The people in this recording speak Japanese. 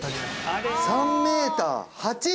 ３メーター８０！